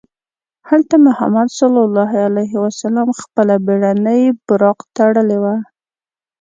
هلته محمد صلی الله علیه وسلم خپله بېړنۍ براق تړلې وه.